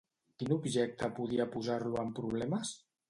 Quin objecte podia posar-lo en problemes?